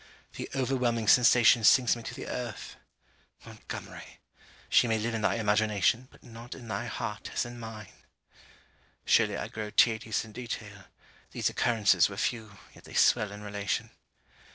The overwhelming sensation sinks me to the earth. Montgomery! She may live in thy imagination, but not in thy heart, as in mine! Surely I grow tedious in detail. These occurrences were few; yet they swell in relation.